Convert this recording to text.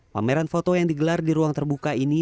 pameran foto yang digelar di ruang terbuka ini